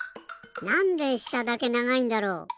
なんでしただけながいんだろう？